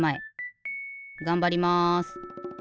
がんばります。